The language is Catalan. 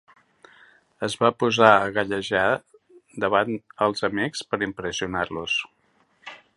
Es va posar a gallejar davant els amics per impressionar-los.